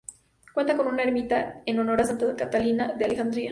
Cuenta con una ermita en honor a Santa Catalina de Alejandría.